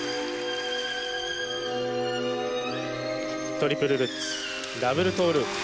トリプルルッツダブルトーループ。